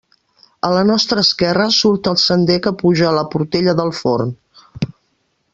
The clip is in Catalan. A la nostra esquerra surt el sender que puja a la Portella del Forn.